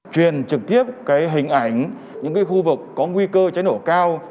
truyền trực tiếp hình ảnh những khu vực có nguy cơ cháy nổ cao